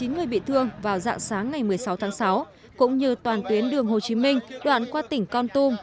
một mươi người bị thương vào dạng sáng ngày một mươi sáu tháng sáu cũng như toàn tuyến đường hồ chí minh đoạn qua tỉnh con tum